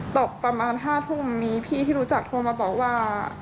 ตกประมาณ๕ทุ่มมีพี่ที่รู้จักโทรมาบอกว่า